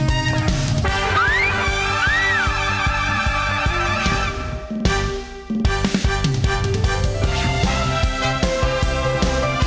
สวัสดีค่ะแอร์ทานทิฬาค่ะ